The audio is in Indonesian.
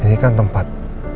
ini kan tempat